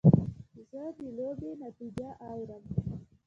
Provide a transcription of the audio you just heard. زه د لوبې نتیجه اورم.